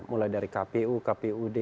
mulai dari kpu kpud